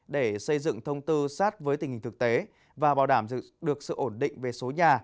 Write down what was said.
để xây dựng thông tư sát với tình hình thực tế và bảo đảm được sự ổn định về số nhà